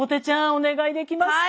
お願いできますか？